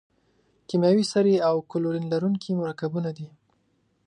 کیمیاوي سرې او کلورین لرونکي مرکبونه دي.